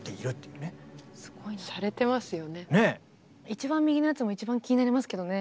一番右のやつも一番気になりますけどね。